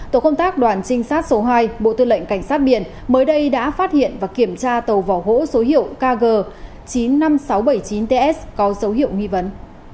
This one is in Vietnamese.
tổ công tác đoàn trinh sát số hai bộ tư lệnh cảnh sát biển mới đây đã phát hiện và kiểm tra tàu vỏ gỗ số hiệu kg chín mươi năm nghìn sáu trăm bảy mươi chín ts có dấu hiệu nghi vấn